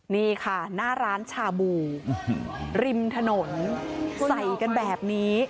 นี่ค่ะหน้าร้านชาบูริมถนนใส่กันแบบนี้